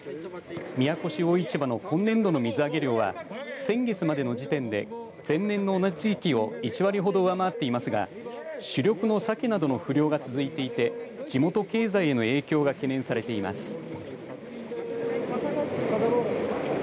宮古市魚市場の今年度の水揚げ量は先月までの時点で前年の同じ時期を１割ほど上回っていますが主力のサケなどの不漁が続いていて地元経済への影響が懸念されています。